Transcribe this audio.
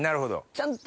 ちゃんと。